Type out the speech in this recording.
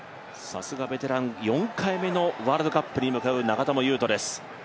さすがベテラン４回目のワールドカップへ向かう長友佑都です。